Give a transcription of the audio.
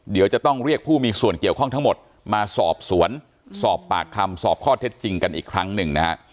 เดี๋ยวจะต้องเรียกผู้มีส่วนเกี่ยวข้องทั้งหมดมาสอบสวนสอบปากคำสอบข้อเท็จจริงกันอีกครั้งหนึ่งนะฮะ